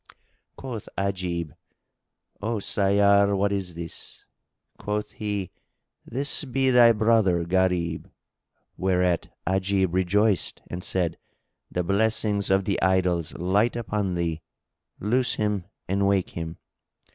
Quoth Ajib, "O Sayyar, what is this?" Quoth he, "This be thy brother Gharib;" whereat Ajib rejoiced and said, "The blessings of the Idols light upon thee! Loose him and wake him."